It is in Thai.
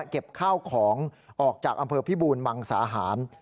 เก็บข้าวของออกจากอำเภอพิบูรมังสาหาร